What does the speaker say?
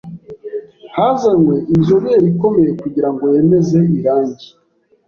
Hazanywe inzobere ikomeye kugirango yemeze irangi.